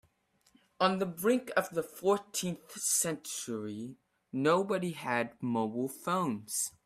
On the brink of the fourteenth century, nobody had mobile phones.